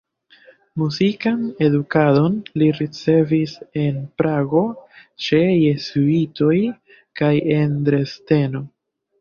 Muzikan edukadon li ricevis en Prago ĉe jezuitoj kaj en Dresdeno.